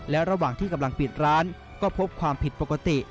และระหว่างที่กำลังปิดร้านก็พบความผิดปกติ